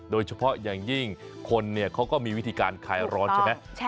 โดยเฉพาะอย่างยิ่งคนเขาก็มีวิธีการคลายร้อนใช่ไหม